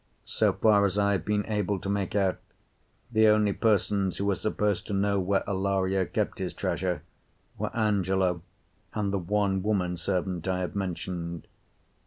So far as I have been able to make out, the only persons who were supposed to know where Alario kept his treasure were Angelo and the one woman servant I have mentioned.